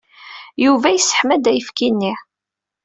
Yuba yesseḥma-d ayefki-nni.